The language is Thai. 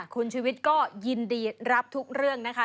คุณชุวิตก็ยินดีรับทุกเรื่องนะคะ